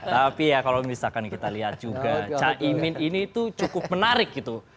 tapi ya kalau misalkan kita lihat juga caimin ini tuh cukup menarik gitu